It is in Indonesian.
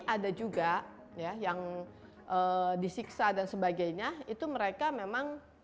ada juga ya yang disiksa dan sebagainya itu mereka memang